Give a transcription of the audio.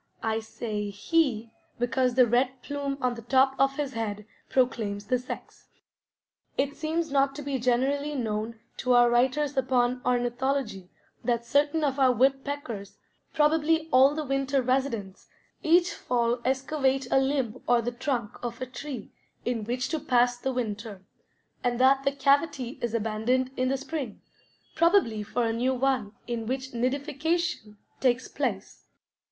I say "he" because the red plume on the top of his head proclaims the sex. It seems not to be generally known to our writers upon ornithology that certain of our woodpeckers probably all the winter residents each fall excavate a limb or the trunk of a tree in which to pass the winter, and that the cavity is abandoned in the spring, probably for a new one in which nidification takes place.